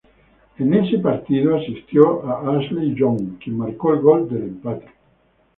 Ese partido, asistió a Ashley Young, quien marcó el gol del empate.